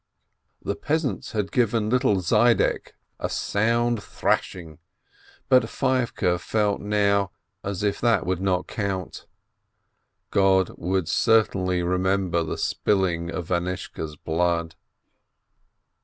The peasants had given the little Zhydek a sound thrashing, but Feivke felt 550 BEEKOWITZ now as if that would not count: God would certainly remember the spilling of Anishka's blood.